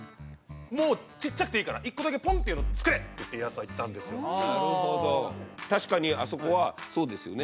もうちっちゃくていいから１個だけポンっていうのを造れって家康は言ったんですよ・ああ・なるほど確かにあそこはそうですよね